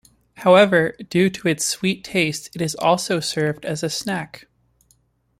However, due to its sweet taste it is also served as a snack.